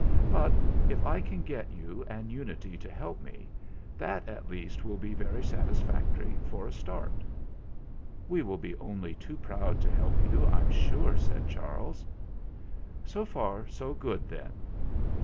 But if I can get you and Unity to help me, that at least will be very satisfactory for a start." "We shall be only too proud to help you, I'm sure," said Charles. "So far so good then.